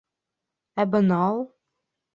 — Ә бынау?